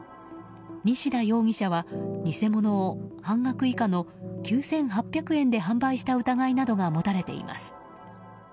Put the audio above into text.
西田容疑者は偽物を半額以下の９８００円で販売した疑いなどが持たれています。